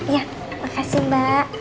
ya makasih mbak